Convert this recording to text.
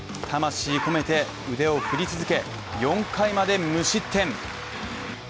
魂込めて腕を振り続け、４回まで無失点。